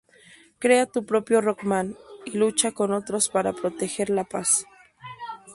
Crea tu propio Rockman, y lucha con otros para proteger la paz!".